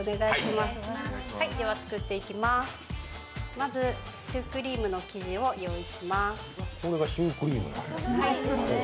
まず、シュークリームの生地を用意します。